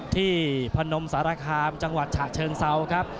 ที่พนมสารคามจังหวัดฉาเชิงเศร้าครับ